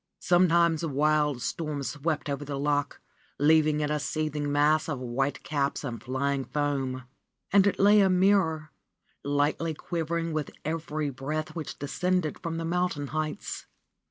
Sometimes wild storms swept over the loch, leaving it a seething mass of white caps and flying foam. And it lay a mirror, lightly quivering with every breath which descended from the mountain heights.